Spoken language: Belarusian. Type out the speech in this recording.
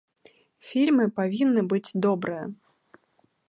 Фільмы павінны быць добрыя.